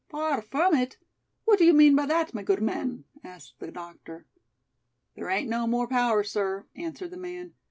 "Far from it? What do you mean by that, my good man?" asked the doctor. "There ain't no more power, sir," answered the man.